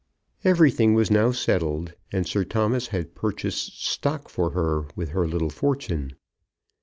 Everything was now settled, and Sir Thomas had purchased stock for her with her little fortune.